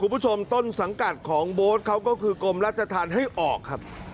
คุณผู้ชมต้นสังกัดของโบ๊ทเขาก็คือกรมราชธรรมให้ออกครับ